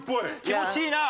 気持ちいいな。